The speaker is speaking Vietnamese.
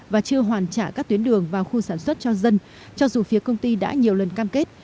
và chưa hoàn trả các tuyến đường vào khu sản xuất cho dân cho dù phía công ty đã nhiều lần cam kết